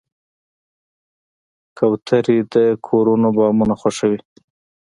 کوترې د کورونو بامونه خوښوي.